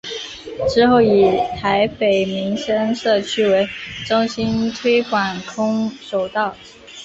之后以台北民生社区为中心推广空手道。